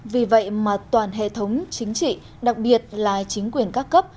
vì vậy mà toàn hệ thống chính trị đặc biệt là chính quyền các cấp